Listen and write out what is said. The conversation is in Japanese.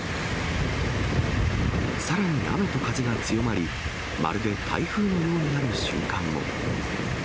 さらに雨と風が強まり、まるで台風のようになる瞬間も。